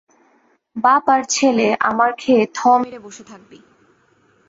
বাপ আর ছেলে আমার খেয়ে থ মেরে বসে থাকবি।